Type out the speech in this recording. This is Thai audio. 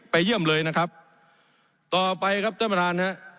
เยี่ยมเลยนะครับต่อไปครับท่านประธานฮะ